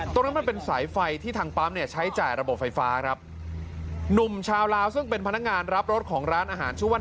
มันเป็นสายไฟที่ทางปั๊มเนี่ยใช้จ่ายระบบไฟฟ้าครับหนุ่มชาวลาวซึ่งเป็นพนักงานรับรถของร้านอาหารชื่อว่า